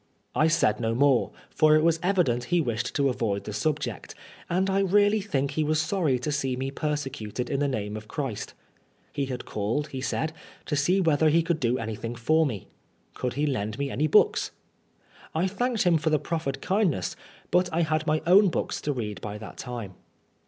I said no more, for it was evident he wished to avoid the subject, and I really think he was sorry to see me persecuted in the name of Christ. He had called, he said, to see whether he could do anything for me. Could he lend me any books ? I thanked him for the proffered kindness, but I had my own books to read by that time.